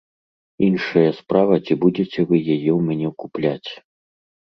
Іншая справа, ці будзеце вы яе ў мяне купляць.